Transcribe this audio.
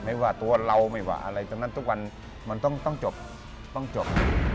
ไม่ว่าตัวเราไม่ว่าอะไรดังนั้นทุกวันมันต้องจบต้องจบ